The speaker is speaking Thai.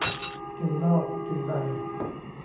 กินนอกกินใน